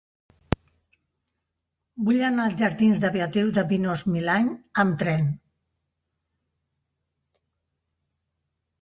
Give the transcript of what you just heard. Vull anar als jardins de Beatriu de Pinós-Milany amb tren.